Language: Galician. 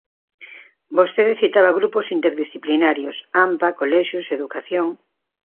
Vostede citaba grupos interdisciplinarios: anpa, colexios, educación.